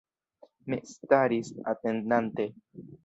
Mi staris, atendante.